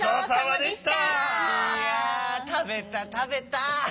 いやたべたたべた。